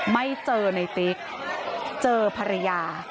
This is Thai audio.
ไม่เจอในติ๊กเจอภรรยา